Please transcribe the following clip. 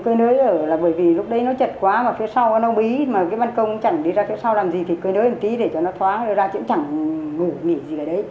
cơi nới ở là bởi vì lúc đấy nó chật quá và phía sau nó bí mà cái băn công chẳng đi ra phía sau làm gì thì cơi nới một tí để cho nó thoá ra chứ cũng chẳng ngủ nghỉ gì cả đấy